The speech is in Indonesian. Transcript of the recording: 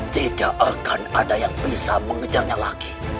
jika akan ada yang bisa mengejarnya lagi